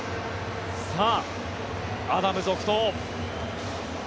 アダム、続投。